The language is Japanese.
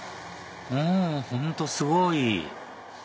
あ本当すごい！